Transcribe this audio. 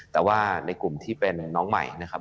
แต่ว่าในกลุ่มที่เป็นน้องใหม่นะครับ